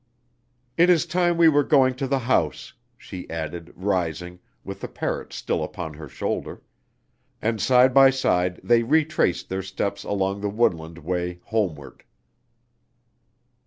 "It is time we were going to the house," she added, rising, with the parrot still upon her shoulder; and side by side they retraced their steps along the woodland way homeward.